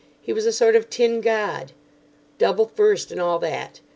He was a sort of tin god. Double first and all that.